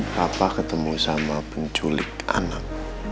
papa ketemu sama penculik anak